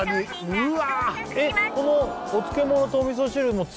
・うわ！